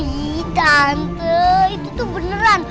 iiih tante itu tuh beneran